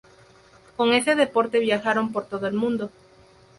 Con ese deporte viajaron por todo el mundo.